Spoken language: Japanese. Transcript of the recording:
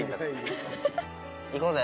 行こうぜ。